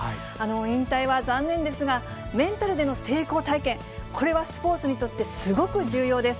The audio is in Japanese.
引退は残念ですが、メンタルでの成功体験、これはスポーツにとってすごく重要です。